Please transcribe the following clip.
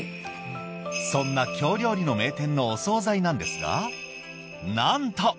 そんな京料理の名店のお惣菜なんですがなんと！